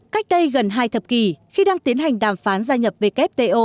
cách đây gần hai thập kỷ khi đang tiến hành đàm phán gia nhập wto